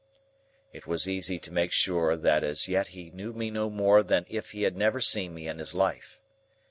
It was easy to make sure that as yet he knew me no more than if he had never seen me in his life.